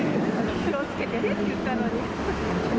気をつけてねって言ったのに。